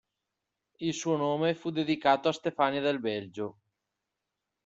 Il suo nome fu dedicato a Stefania del Belgio.